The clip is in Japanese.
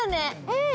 うん！